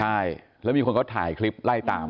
ใช่แล้วมีคนเขาถ่ายคลิปไล่ตาม